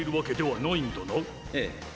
ええ。